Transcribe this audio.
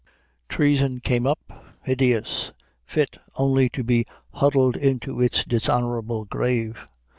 Treason came up, hideous, fit only to be huddled into its dishonorable grave.